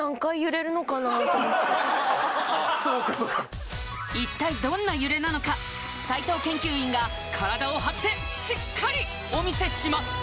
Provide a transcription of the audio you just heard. そうかそうか一体どんな揺れなのか斉藤研究員が体を張ってしっかりお見せします！